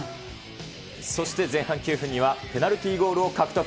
そして前半９分には、ペナルティーゴールを獲得。